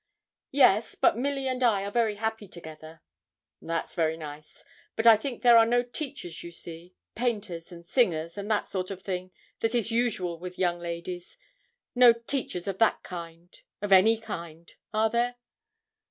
'Yes; but Milly and I are very happy together.' 'That's very nice; but I think there are no teachers, you see painters, and singers, and that sort of thing that is usual with young ladies. No teachers of that kind of any kind are there?'